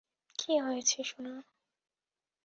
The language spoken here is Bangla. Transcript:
কী হয়েছে সোনা?